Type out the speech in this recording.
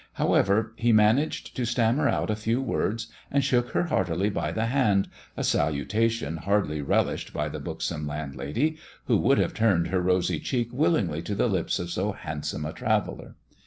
However, he managed to stammer out a few words, and shook her heartily by the hand, a saluta tion hardly relished by the buxom landlady, who would have turned her rosy cheek willingly to the lips of so handsome a traveller.